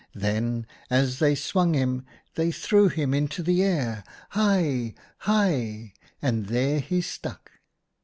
Then, as they swung him, they threw him into the air, high, high, and there he stuck.